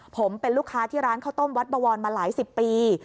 ผมเป็นลูกค้าที่ร้านข้าวต้มวัดบวรมาหลายสิบปี